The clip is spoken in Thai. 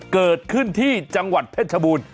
เกิดขึ้นที่จังหวัดเพชรชบูรณ์